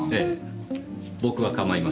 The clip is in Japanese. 僕は構いませんよ。